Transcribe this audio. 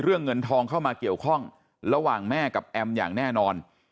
เงินทองเข้ามาเกี่ยวข้องระหว่างแม่กับแอมอย่างแน่นอน